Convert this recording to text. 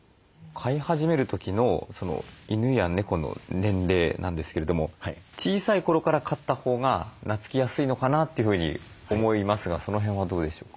飼い始める時の犬や猫の年齢なんですけれども小さい頃から飼ったほうがなつきやすいのかなというふうに思いますがその辺はどうでしょうか？